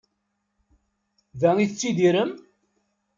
Da i tettidirem?